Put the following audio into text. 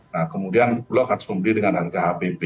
nah kemudian bulog harus membeli dengan harga hpp